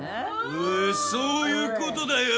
えそういうことだよ。